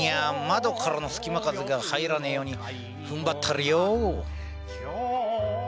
窓からの隙間風が入らねえようにふんばったりよう。